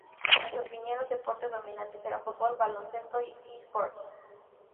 En su opinión los deportes dominantes serán fútbol, baloncesto y eSports.